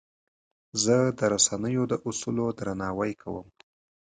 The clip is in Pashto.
زه د رسنیو د اصولو درناوی کوم.